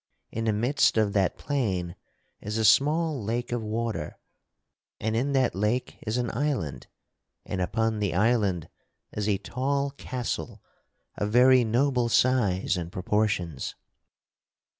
In the midst of that plain is a small lake of water, and in that lake is an island, and upon the island is a tall castle of very noble size and proportions.